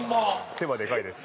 手はでかいです。